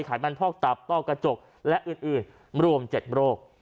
ไบันพอกตับต้อกระจกและอื่นรวม๗โรค